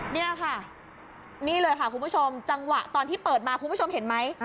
นี่ค่ะนี่เลยค่ะคุณผู้ชมจังหวะตอนที่เปิดมาคุณผู้ชมเห็นไหม